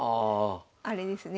あれですね